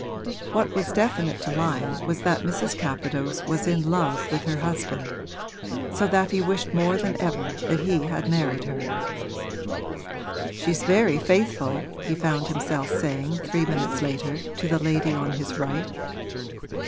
What was definite to Lyon was that Mrs. Capadose was in love with her husband; so that he wished more than ever that he had married her. 'She's very faithful,' he found himself saying three minutes later to the lady on his right.